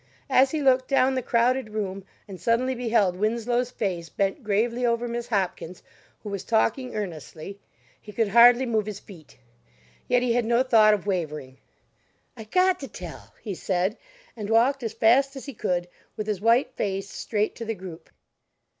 As he looked down the crowded room and suddenly beheld Winslow's face bent gravely over Miss Hopkins, who was talking earnestly, he could hardly move his feet. Yet he had no thought of wavering. "I got to tell," he said, and walked as fast as he could, with his white face, straight to the group.